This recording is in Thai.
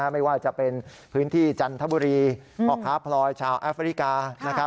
ไม่ว่าจะเป็นพื้นที่จันทบุรีพ่อค้าพลอยชาวแอฟริกา